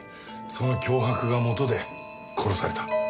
その脅迫がもとで殺された。